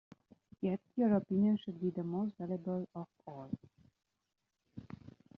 Yet your opinion should be the most valuable of all.